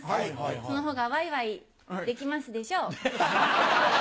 そのほうがわいわいできますでしょ？